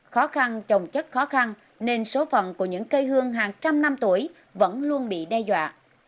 khó khăn trồng chất khó khăn nên số phận của những cây hương hàng trăm năm tuổi vẫn luôn bị đe dọa